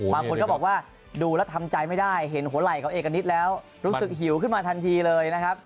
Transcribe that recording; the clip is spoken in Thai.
บางคนก็บอกว่าดูแล้วทำใจไม่ได้เห็นหัวไหล่ของเอกณิตแล้วรู้สึกหิวขึ้นมาทันทีเลยนะครับ